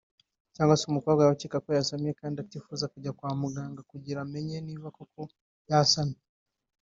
cyangwa se umukobwa yaba akeka ko yasamye kandi atifuza kujya kwa muganga kugira amenye niba koko yasamye